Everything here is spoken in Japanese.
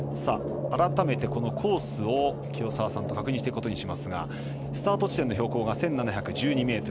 改めてコースを清澤さんと確認していくことにしますがスタート地点の標高が１７１２ｍ。